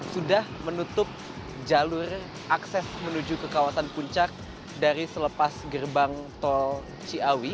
sudah menutup jalur akses menuju ke kawasan puncak dari selepas gerbang tol ciawi